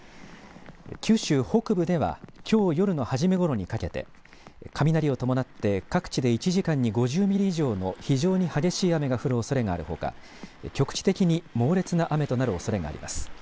九州北部ではきょう夜の初めごろにかけて雷を伴って各地で１時間に５０ミリ以上の非常に激しい雨が降るおそれがあるほか局地的に猛烈な雨となるおそれがあります。